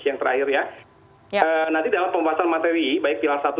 nanti dalam pembahasan materi baik pilihan satu